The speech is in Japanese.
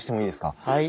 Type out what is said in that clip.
はい。